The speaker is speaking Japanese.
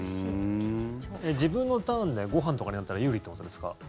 自分のターンでご飯とかになったら有利ってことですか？